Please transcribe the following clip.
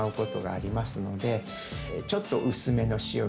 ちょっと薄めの塩水。